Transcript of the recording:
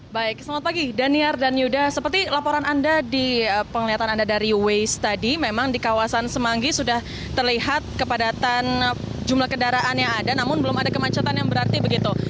baik selamat pagi daniar dan yuda seperti laporan anda di penglihatan anda dari waze tadi memang di kawasan semanggi sudah terlihat kepadatan jumlah kendaraan yang ada namun belum ada kemacetan yang berarti begitu